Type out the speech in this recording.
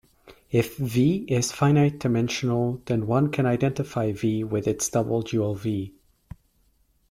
If "V" is finite-dimensional then one can identify "V" with its double dual "V".